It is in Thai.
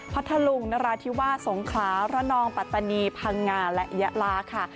พัฒลุงนราธิวาสสงขระรั้นองปัตณีพังงาและแยะลากค่ะ